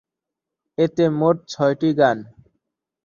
এতে মোট ছয়টি গান ছিল।